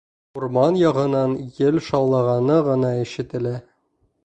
Урман яғынан ел шаулағаны ғына ишетелә.